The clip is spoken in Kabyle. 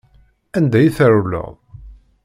Anda i trewleḍ?